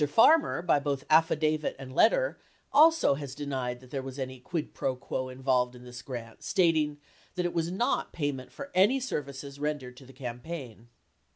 Farmer, by both affidavit and letter 72 also has denied that there was any quid fro quo involved in this grant, stating that "it was not payment for any services rendered to the campaign".